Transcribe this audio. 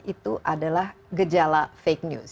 itu adalah gejala fake news